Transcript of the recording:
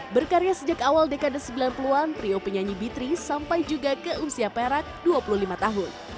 berkarya sejak awal dekade sembilan puluh an prio penyanyi b tiga sampai juga ke usia perak dua puluh lima tahun